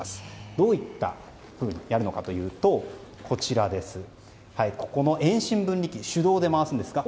どういったふうにやるのかというとここの遠心分離機を手動で回すんですか。